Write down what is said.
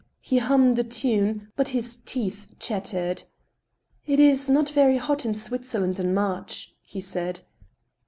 He hummed a tune, but his teeth chattered. " It is not very hot in Switzerland in March," he said.